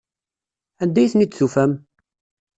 Anda ay ten-id-tufam?